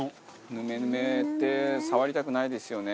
ヌメヌメって触りたくないですよね。